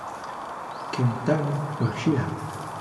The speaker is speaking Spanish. Kentaro Yoshida